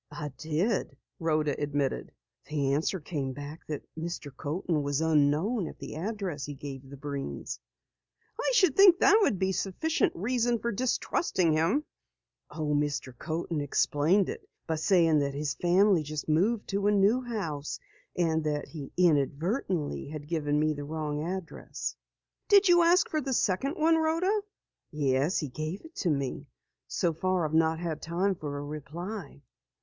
"I did," Rhoda admitted. "The answer came back that Mr. Coaten was unknown at the address he gave the Breens." "I should think that would be sufficient reason for distrusting him." "Oh, Mr. Coaten explained it by saying that his family just moved to a new house, and that he inadvertently had given me the wrong address." "Did you ask for the second one, Rhoda?" "Yes, he gave it to me. So far I've not had time for a reply."